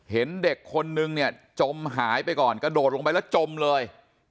เห็นเด็กคนนึงเนี่ยจมหายไปก่อนกระโดดลงไปแล้วจมเลย